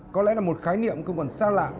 có lẽ là một khái niệm tôi còn xa lạ